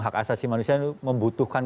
hak asasi manusia itu membutuhkan